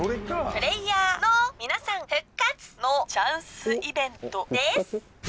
プレイヤーの皆さん復活のチャンスイベントです。